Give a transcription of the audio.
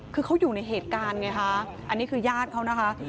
คือเขาอยู่ในเหตุการณ์ไงคะอันนี้คือญาติเขานะคะ